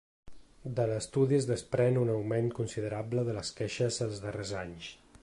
De l’estudi es desprèn un augment considerable de les queixes els darrers anys.